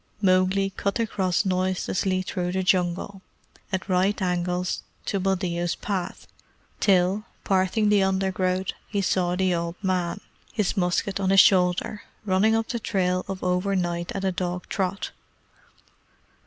Mowgli cut across noiselessly through the Jungle, at right angles to Buldeo's path, till, parting the undergrowth, he saw the old man, his musket on his shoulder, running up the trail of overnight at a dog trot.